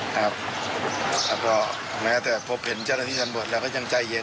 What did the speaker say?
แล้วก็แม้แต่พบเห็นเจ้าหน้าที่สำรวจแล้วก็ยังใจเย็น